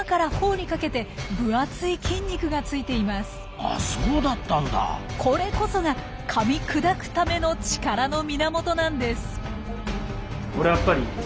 あそうだったんだ。これこそがかみ砕くための力の源なんです。